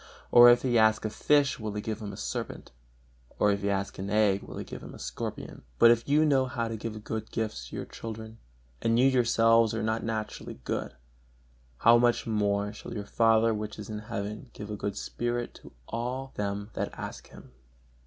or if he ask a fish, will he give him a serpent? or if he ask an egg, will he give him a scorpion? But if you know how to give good gifts to your children, and you yourselves are not naturally good, how much more shall your Father which is in heaven give a good spirit to all them that ask Him!"